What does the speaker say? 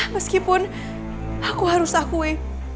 meskipun aku harus akui